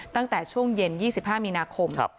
ตั้งแต่ช่วงเย็น๒๕มีนาคม